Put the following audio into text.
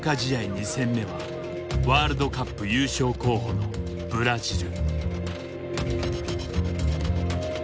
２戦目はワールドカップ優勝候補のブラジル。